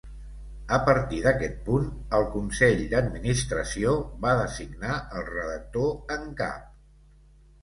A partir d'aquest punt, el consell d'administració va designar el redactor en cap.